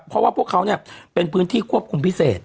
เพราะว่าพวกเขาเป็นพื้นที่ควบคุมพิเศษ